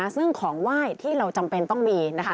ซึ่งของไหว้ที่เราจำเป็นต้องมี